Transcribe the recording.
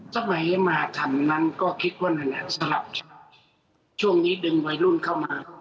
สมัยมาทำนั้นก็คิดว่านั่นแหละสำหรับช่วงนี้ดึงวัยรุ่นเข้ามา